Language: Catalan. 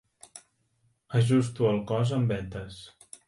Ajusto al cos amb vetes.